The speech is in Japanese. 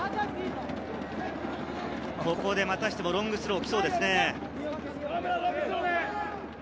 またしてもロングスローが来そうですね。